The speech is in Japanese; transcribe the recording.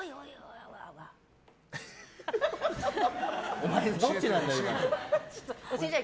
お前、どっちなんだよ！